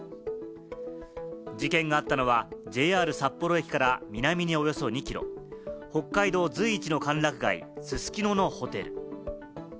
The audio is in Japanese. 事件があったのはＪＲ札幌駅から南におよそ２キロ、北海道随一の歓楽街・すすきののホテル。